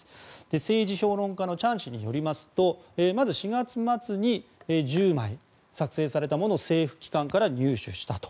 政治評論家のチャン氏によりますとまず４月末に１０枚作成されたものを政府機関から入手したと。